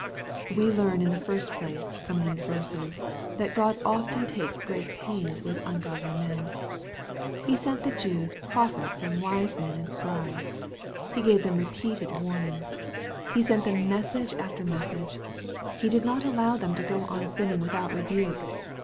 We learn, in the first place, from these verses, thatftrod ^ften takes great pains ivith ungodly men.^^e sent the Jews '* prophets and wise men and scribes." He gave them repeated warnings. He sent them message after message. He did not allow them to go on sinning with out rebuke.